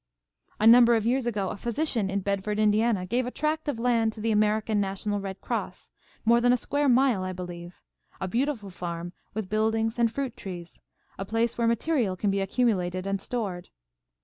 "A number of years ago a physician in Bedford, Indiana, gave a tract of land to the American National Red Cross; more than a square mile, I believe, a beautiful farm with buildings and fruit trees, a place where material can be accumulated and stored.